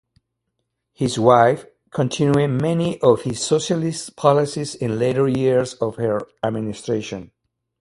His wife continued many of his socialist policies in later years of her administration.